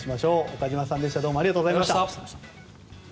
岡島さんでしたありがとうございました。